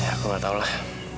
aku gak tau lah